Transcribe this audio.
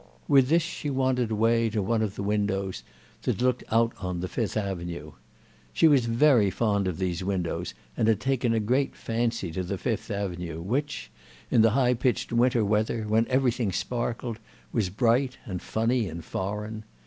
With this she wandered away to one of the windows that looked out on the Fifth Avenue. She was very fond of these windows and had taken a great fancy to the Fifth Avenue, which, in the high pitched winter weather, when everything sparkled, was bright and funny and foreign.